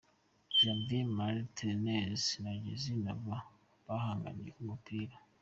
Javier Martinez na Jesus Navaz bahanganiye mu kibuga.